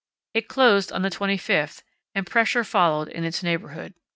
It closed on the 25th and pressure followed in its neighbourhood.